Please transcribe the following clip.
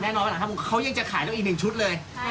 แน่นอนว่าหลังห้าโมงเขายังจะขายเราอีกหนึ่งชุดเลย